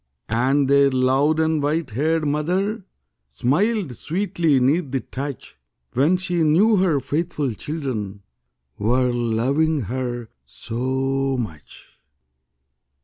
And their loved and white haired mother Smiled sweetly 'neath the touch, When she knew her faithful children Were loving her so much.